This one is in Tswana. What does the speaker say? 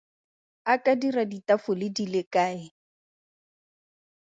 A ka dira ditafole di le kae?